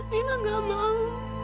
mila gak mau